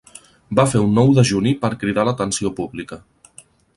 Va fer un nou dejuni per cridar l'atenció pública.